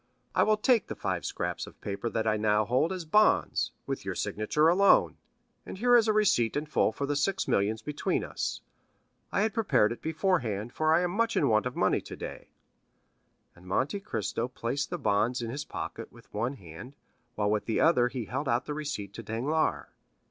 I will take the five scraps of paper that I now hold as bonds, with your signature alone, and here is a receipt in full for the six millions between us. I had prepared it beforehand, for I am much in want of money today." And Monte Cristo placed the bonds in his pocket with one hand, while with the other he held out the receipt to Danglars.